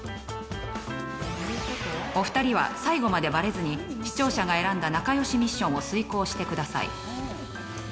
お二人は最後までバレずに視聴者が選んだ仲良しミッションを遂行してください。